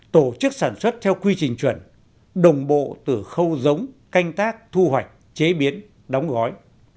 tổ chức sản xuất theo quy trình chuẩn đồng bộ từ khâu giống canh tác thu hoạch chế biến đóng gói